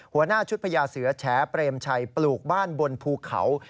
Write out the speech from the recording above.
หัวหน้าชุดพญาเสือแฉเปรมชัยปลูกบ้านบนภูเขา